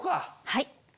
はい。